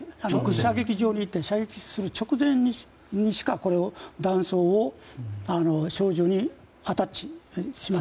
射撃場に行って射撃する直前にしか弾倉を小銃にアタッチしません。